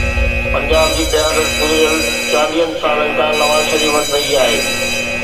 پنجاب جي قيادت گذريل چاليهه سالن کان نواز شريف وٽ رهي آهي.